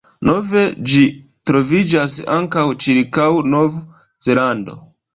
Nove ĝi troviĝas ankaŭ cirkaŭ Nov-Zelando.